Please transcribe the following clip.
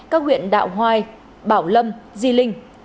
các huyện đạo hoài bảo lâm di linh